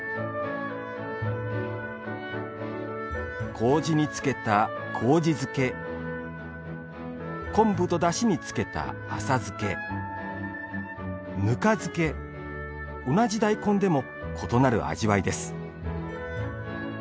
麹に漬けた麹漬け昆布とだしに漬けた浅漬けぬか漬け同じ大根でも異なる味わいです。